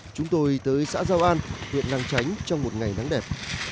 chúng tôi tới xã giao an huyện nàng chánh trong một ngày nắng đẹp